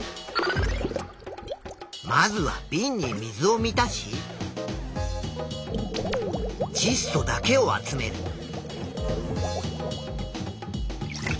まずはびんに水を満たしちっ素だけを集める。